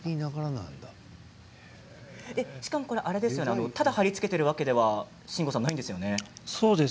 しかもただ貼り付けてるわけではないんですよね。